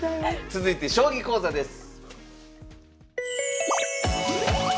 続いて将棋講座です。